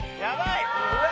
うわ！